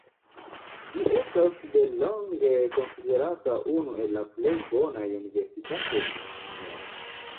Ĝi estas delonge konsiderata unu el la plej bonaj universitatoj en Ĉinio.